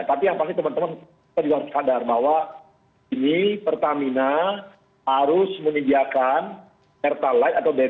tapi yang pasti teman teman kita juga harus sadar bahwa ini pertamina harus menyediakan pertalite atau bbm